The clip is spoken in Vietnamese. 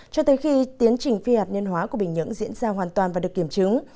cho tới khi tiến trình phi hạt nhân hóa của bình nhưỡng diễn ra hoàn toàn và được kiểm chứng